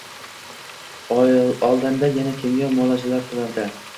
Oldinda yana kimyo muolajalari turardi.